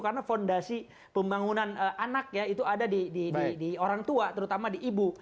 karena fondasi pembangunan anak ya itu ada di orang tua terutama di ibu